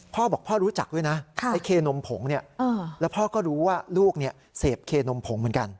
พ่อบอกพ่อรู้จักด้วยนะไอ้เคนมผงเนี่ยแล้วพ่อก็รู้ว่าลูกเสพเคนมผงเหมือนกัน